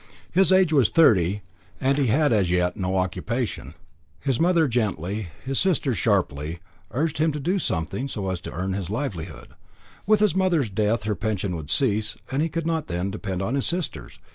His age was thirty, and he had as yet no occupation. His mother gently, his sisters sharply, urged him to do something, so as to earn his livelihood. With his mother's death her pension would cease, and he could not then depend on his sisters.